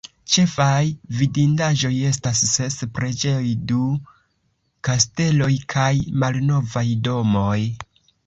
Ĉefaj vidindaĵoj estas ses preĝejoj, du kasteloj kaj malnovaj domoj.